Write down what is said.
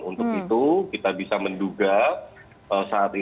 untuk itu kita bisa menduga saat ini